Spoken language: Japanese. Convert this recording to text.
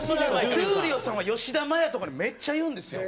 闘莉王さんは吉田麻也とかにめっちゃ言うんですよ。